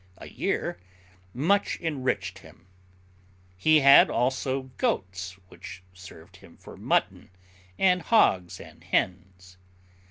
a year, much enriched him: he had also goats, which served him for mutton, and hogs and hens.